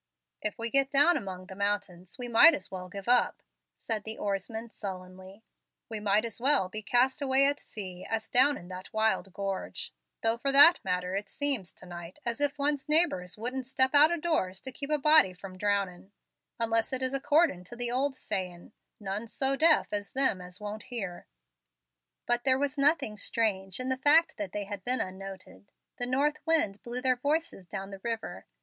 "If we get down among the mountains, we might as well give up," said the oarsman, sullenly. "We might as well be cast away at sea as down in that wild gorge; though for that matter it seems, to night, as if one's neighbors wouldn't step out of doors to keep a body from drowning. Why no one has heard us is more than I can understand, unless it is accordin' to the old sayin', 'None's so deaf as them as won't hear.'" But there was nothing strange in the fact that they had been unnoted. The north wind blew their voices down the river.